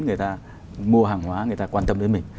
người ta mua hàng hóa người ta quan tâm đến mình